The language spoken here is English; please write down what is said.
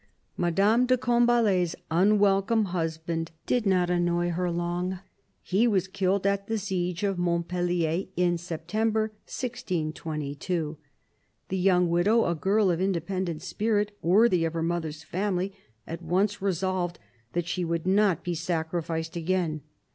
Madame de Combalet's unwelcome husband did not annoy her long ; he was killed at the siege of Montpellier in September 1622. The young widow, a girl of inde pendent spirit, worthy of her mother's family, at once resolved that she would not be sacrificed again.